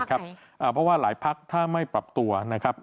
เพราะว่าหลายพักถ้าไม่ปรับตัวนะครับ